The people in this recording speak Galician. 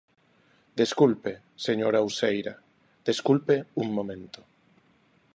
Desculpe, señora Uceira, desculpe un momento.